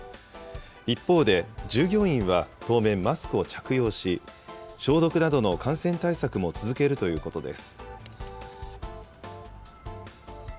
一方で、従業員は当面マスクを着用し、消毒などの感染対策も続けるということです。